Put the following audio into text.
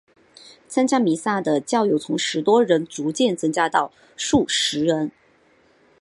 参加弥撒的教友从十多人逐渐增加到数十人。